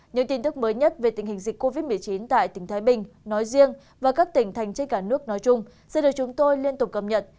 những tin tức mới nhất về tình hình dịch covid một mươi chín tại tỉnh thái bình nói riêng và các tỉnh thành trên cả nước nói chung sẽ được chúng tôi liên tục cập nhật